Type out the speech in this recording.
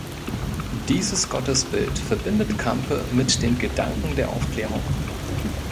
Dieses Gottesbild verbindet Campe mit den Gedanken der Aufklärung.